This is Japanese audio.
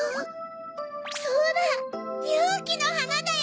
そうだ！